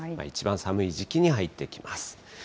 一番寒い時期に入ってきます。